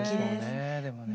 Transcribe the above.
でもね